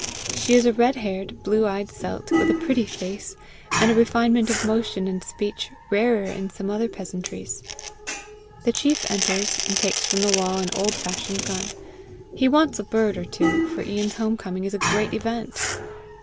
She is a red haired, blue eyed Celt, with a pretty face, and a refinement of motion and speech rarer in some other peasantries. The chief enters, and takes from the wall an old fashioned gun. He wants a bird or two, for Ian's home coming is a great event.